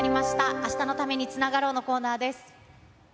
あしたのためにつながろうのコーナーです。